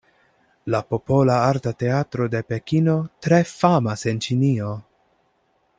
La Popola Arta Teatro de Pekino tre famas en Ĉinio.